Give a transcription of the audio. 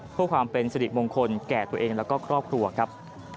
เพื่อความเป็นสิริมงคลแก่ตัวเองแล้วก็ครอบครัวครับ